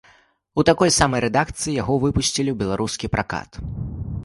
У такой самай рэдакцыі яго выпусцілі і ў беларускі пракат.